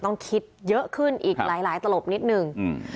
ต้องคิดเยอะขึ้นอีกหลายตลบนิดนึง